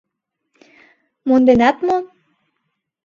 Монденат мо?..